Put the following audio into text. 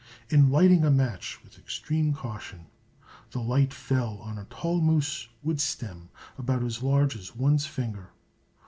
In lighting a match with extreme caution, the light fell on a tall moose wood stem about as large as one's finger.